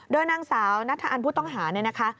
โดยนางสาวนัทธอันผู้ต้องหาเนี่ยนะคะ